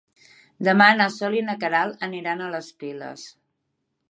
Demà na Sol i na Queralt aniran a les Piles.